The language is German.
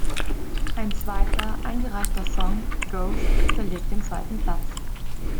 Ein zweiter, eingereichter Song, Ghost, belegte den zweiten Platz.